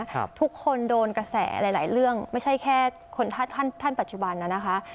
ทุกคนโดนกระแสหลายหลายเรื่องไม่ใช่แค่คนท่านท่านปัจจุบันน่ะนะคะ